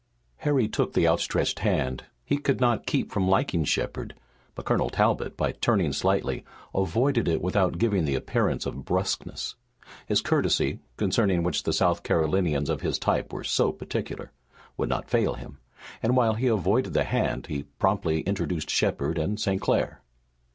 Harry took the outstretched hand he could not keep from liking Shepard but Colonel Talbot, by turning slightly, avoided it without giving the appearance of brusqueness. His courtesy, concerning which the South Carolinians of his type were so particular, would not fail him, and, while he avoided the hand, he promptly introduced Shepard and St. Clair.